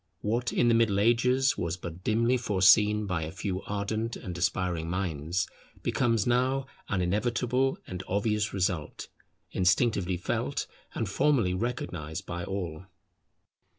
What in the Middle Ages was but dimly foreseen by a few ardent and aspiring minds, becomes now an inevitable and obvious result, instinctively felt and formally recognized by all.